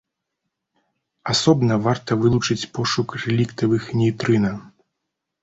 Асобна варта вылучыць пошук рэліктавых нейтрына.